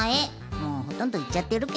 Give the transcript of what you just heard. もうほとんどいっちゃってるけど。